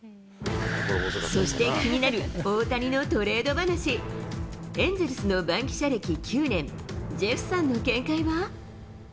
そして気になる大谷のトレード話、エンゼルスの番記者歴９年、ジェフさんの見解は？